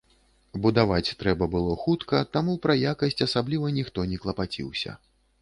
Будаваць трэба было хутка, таму пра якасць асабліва ніхто не клапаціўся.